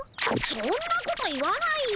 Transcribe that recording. そんなこと言わないよ。